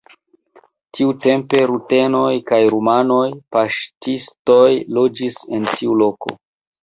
Tiutempe rutenoj kaj rumanaj paŝtistoj loĝis en tiu loko.